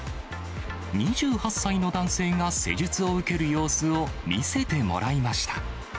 ２８歳の男性が施術を受ける様子を見せてもらいました。